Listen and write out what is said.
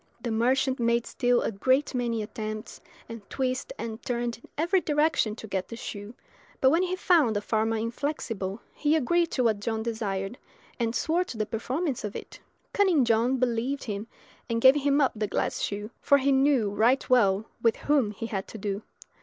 The merchant made still a great many attempts, and twisted and turned in every direction to get the shoe; but when he found the farmer inflexible, he agreed to what John desired, and swore to the performance of it. Cunning John believed him, and gave him up the glass shoe, for he knew right well with whom he had to do.